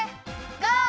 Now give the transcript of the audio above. ゴー！